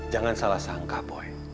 jangan salah sangka boy